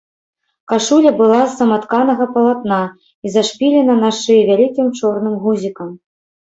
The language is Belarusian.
Кашуля была з саматканага палатна і зашпілена на шыі вялікім чорным гузікам.